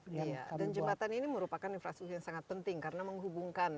dan jembatan ini merupakan infrastruktur yang sangat penting karena menghubungkan